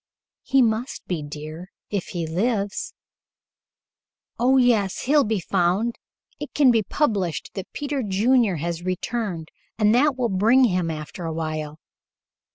"He must be, dear, if he lives." "Oh, yes. He'll be found. It can be published that Peter Junior has returned, and that will bring him after a while.